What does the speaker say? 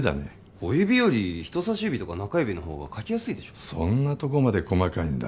小指より人さし指とかのほうがかきやすいそんなとこまで細かいんだ